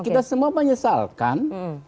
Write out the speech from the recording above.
kita semua menyesalkan